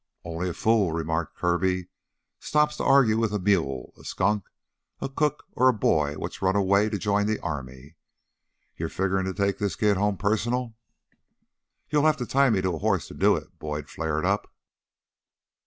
"Only a fool," remarked Kirby, "stops to argue with a mule, a skunk, a cook, or a boy what's run away to join the army. You figgerin' to take this kid home personal?" "You'll have to tie me to a horse to do it!" Boyd flared up.